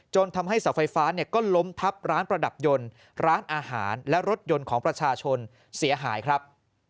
ทำให้เสาไฟฟ้าเนี่ยก็ล้มทับร้านประดับยนต์ร้านอาหารและรถยนต์ของประชาชนเสียหายครับ